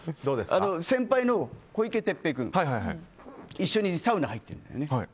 先輩の小池徹平君一緒にサウナ入っているんだよね。